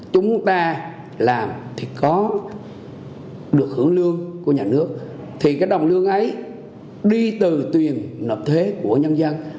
chúng ta làm thì có được hưởng lương của nhà nước thì cái đồng lương ấy đi từ tiền nộp thuế của nhân dân